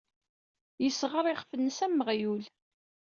Yessɣer iɣef-nnes am weɣyul.